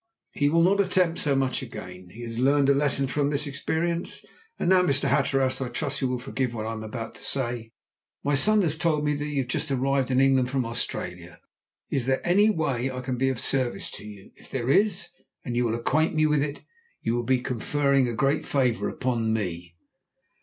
"He will not attempt so much again. He has learned a lesson from this experience. And now, Mr. Hatteras, I trust you will forgive what I am about to say. My son has told me that you have just arrived in England from Australia. Is there any way I can be of service to you? If there is, and you will acquaint me with it, you will be conferring a great favour upon me."